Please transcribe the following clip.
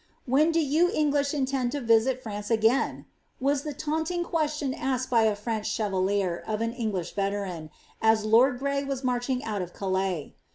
^ When do you English intend to visit France again ?" was the taunting question asked by a French chevalier of an lUiglish veteran, as lord Grey was marching out of Calais.